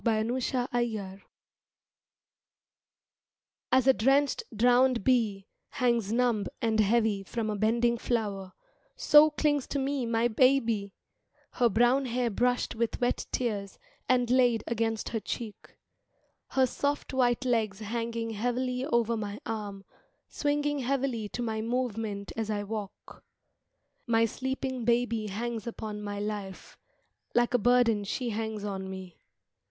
A BABY ASLEEP AFTER PAIN As a drenched, drowned bee Hangs numb and heavy from a bending flower, So clings to me My baby, her brown hair brushed with wet tears And laid against her cheek; Her soft white legs hanging heavily over my arm Swinging heavily to my movement as I walk. My sleeping baby hangs upon my life, Like a burden she hangs on me.